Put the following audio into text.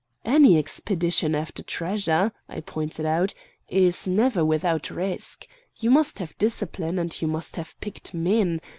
"Any expedition after treasure," I pointed out, "is never without risk. You must have discipline, and you must have picked men.